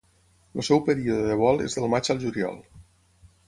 El seu període de vol és del maig al juliol.